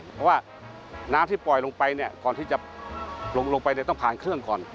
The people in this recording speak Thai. เพราะว่าน้ำที่ปล่อยลงไปเนี่ยก่อนที่จะลงไปเนี่ยต้องผ่านเครื่องก่อน